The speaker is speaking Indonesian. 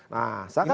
nah saya kan